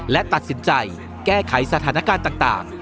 และตัดสินใจแก้ไขสถานการณ์ต่าง